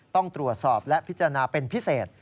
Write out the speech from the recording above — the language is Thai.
ต้องตรวจสอบและพิจารณาเป็นพิเศษ